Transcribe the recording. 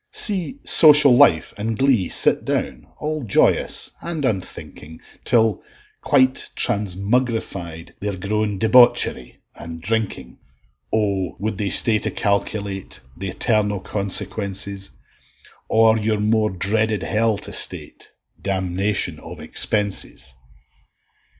See Social Life and Glee sit down, All joyous and unthinking, Till, quite transmugrified, they're grown Debauchery and Drinking: O would they stay to calculate Th' eternal consequences; Or your more dreaded hell to state, Damnation of expenses!